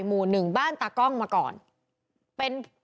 หนึ่งบ้านตากล้องมาก่อน